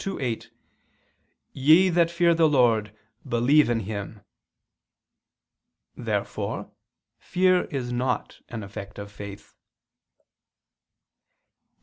2:8): "Ye that fear the Lord, believe in Him." Therefore fear is not an effect of faith. Obj.